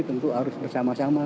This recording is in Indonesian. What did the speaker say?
tentu harus bersama sama